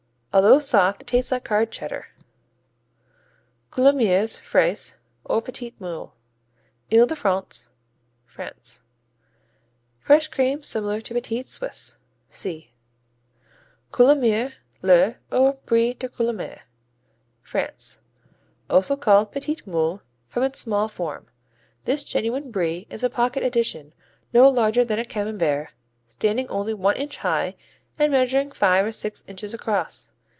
Although soft, it tastes like hard Cheddar. Coulommiers Frais, or Petit Moule Ile de France, France Fresh cream similar to Petit Suisse. (See.) Coulommiers, le, or Brie de Coulommiers France Also called Petit moule, from its small form. This genuine Brie is a pocket edition, no larger than a Camembert, standing only one inch high and measuring five or six inches across.